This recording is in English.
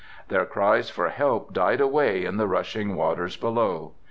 Their cries for help died away in the rushing waters below.